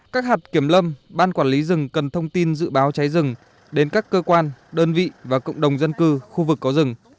các hạt kiểm lâm ban quản lý rừng cần thông tin dự báo cháy rừng đến các cơ quan đơn vị và cộng đồng dân cư khu vực có rừng